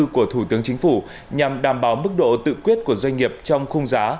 của thủ tướng chính phủ nhằm đảm bảo mức độ tự quyết của doanh nghiệp trong khung giá